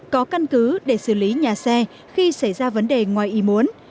có căn cứ để xử lý xe khách